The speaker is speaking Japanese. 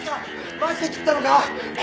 マジで切ったのか！？